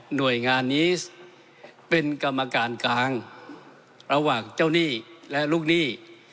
หน่วยงานนี้เป็นกรรมการกลางระหว่างเจ้าหนี้และลูกหนี้